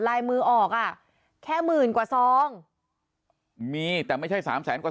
ลายมือออกอ่ะแค่หมื่นกว่าซองมีแต่ไม่ใช่สามแสนกว่า